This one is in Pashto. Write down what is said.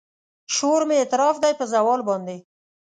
شور مې اعتراف دی په زوال باندې